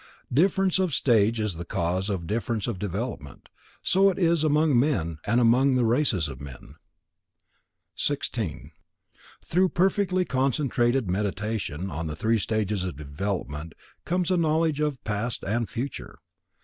Difference of stage is the cause of difference of development. So it is among men, and among the races of men. 16. Through perfectly concentrated Meditation on the three stages of development comes a knowledge of past and future.